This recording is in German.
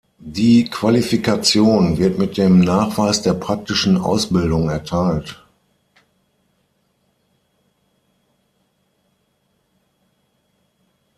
Die Qualifikation wird mit dem Nachweis der praktischen Ausbildung erteilt.